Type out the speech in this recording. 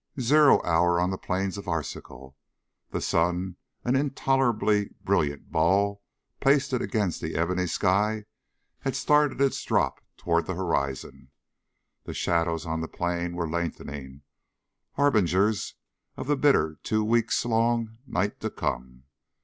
Zero hour on the plains of Arzachel. The sun, an intolerably brilliant ball pasted against the ebony sky, had started its drop toward the horizon. The shadows on the plain were lengthening, harbingers of the bitter two weeks long night to come.